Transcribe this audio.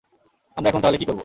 আমরা এখন তাহলে কী করব?